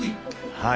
はい。